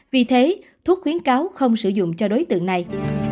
vì thế thuốc khuyến cáo không sử dụng cho đối tượng này